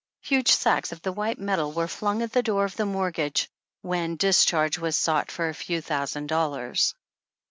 Hugh sacks of the white metal were flung at the door of the mortgagee when discharge was sought for a few thousand dollars.